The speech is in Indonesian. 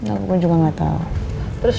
aku juga nggak tahu terus